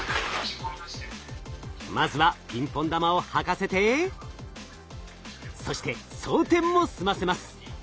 まずはピンポン玉をはかせてそして装填も済ませます。